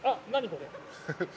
これ。